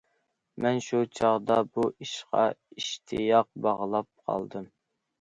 مەن شۇ چاغدا بۇ ئىشقا ئىشتىياق باغلاپ قالدىم.